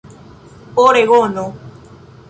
oregono